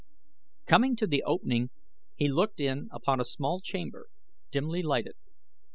Coming to the opening he looked in upon a small chamber dimly lighted.